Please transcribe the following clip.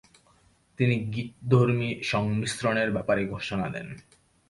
তিনি গীতধর্মী সংমিশ্রনের ব্যাপারে ঘোষণা দেন।